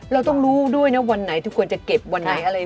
เราต้องรู้ด้วยนะวันไหนทุกคนจะเก็บวันไหนอะไร